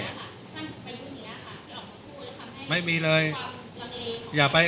การจัดการผมไม่ทราบว่าใครท่านไม่มีเลยอย่าไป